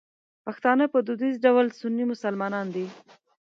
پښتانه په دودیز ډول سني مسلمانان دي.